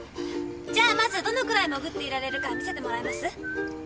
じゃあまずどのくらい潜っていられるか見せてもらえます？